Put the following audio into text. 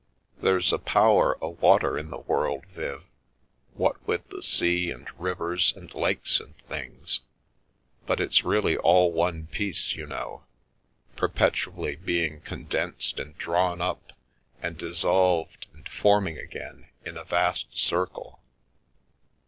There's a power o' water in the world, Viv, what with the sea and rivers and lakes and things, but it's really all one piece, you know, perpetually being con densed and drawn up, and dissolved and forming again, in a vast circle.